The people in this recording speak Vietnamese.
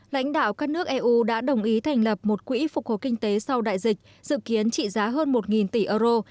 lãnh đạo các nước eu đã đồng ý thành lập một quỹ phục hồi kinh tế sau đại dịch dự kiến trị giá hơn một tỷ euro